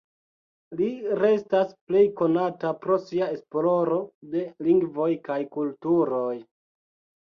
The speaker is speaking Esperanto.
Li restas plej konata pro sia esploro de lingvoj kaj kulturoj.